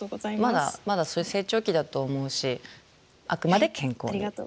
まだそういう成長期だと思うしあくまで健康でいて下さいね。